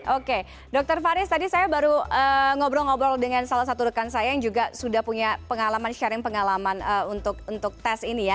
oke dr faris tadi saya baru ngobrol ngobrol dengan salah satu rekan saya yang juga sudah punya pengalaman sharing pengalaman untuk tes ini ya